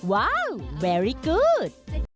ว้าวแวรี่กูธ